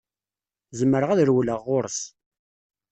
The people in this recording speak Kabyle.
Zemreɣ ad rewleɣ ɣur-s.